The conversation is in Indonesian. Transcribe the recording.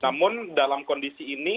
namun dalam kondisi ini